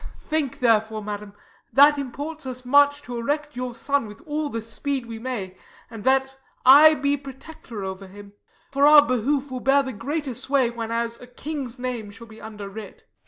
Think therefore, madam, that imports us much To erect your son with all the speed we may, And that I be protector over him: For our behoof, 'twill bear the greater sway Whenas a king's name shall be under writ.